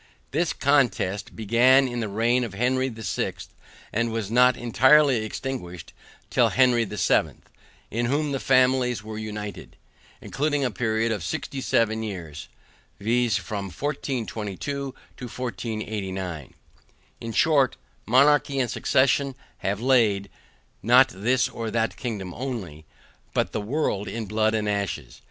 This contest began in the reign of Henry the Sixth, and was not entirely extinguished till Henry the Seventh, in whom the families were united. Including a period of 67 years, viz. from 1422 to 1489. In short, monarchy and succession have laid (not this or that kingdom only) but the world in blood and ashes.